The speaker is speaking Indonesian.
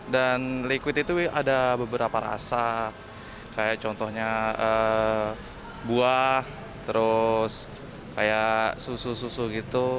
dan liquid itu ada beberapa rasa kayak contohnya buah terus kayak susu susu gitu